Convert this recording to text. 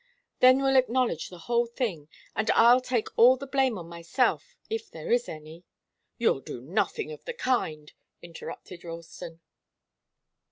Then we'll acknowledge the whole thing, and I'll take all the blame on myself, if there is any " "You'll do nothing of the kind," interrupted Ralston.